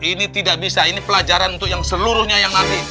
ini tidak bisa ini pelajaran untuk yang seluruhnya yang nanti